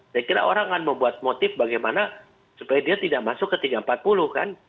saya kira orang akan membuat motif bagaimana supaya dia tidak masuk ke tiga ratus empat puluh kan